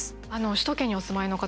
首都圏にお住まいの方